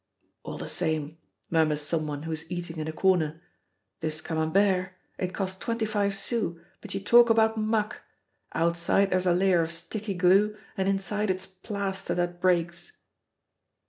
"All the same," murmurs some one who is eating in a corner, "this Camembert, it cost twenty five sous, but you talk about muck! Outside there's a layer of sticky glue, and inside it's plaster that breaks."